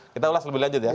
kita ulas lebih lanjut ya